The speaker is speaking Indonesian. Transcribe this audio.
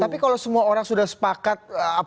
tapi kalau semua orang sudah sepakat